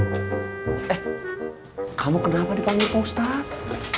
eh kamu kenapa dipanggil ustadz